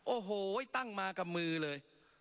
โอ้โหตั้งมากับมือเลย